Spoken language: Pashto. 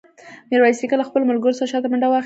ميرويس نيکه له خپلو ملګرو سره شاته منډه واخيسته.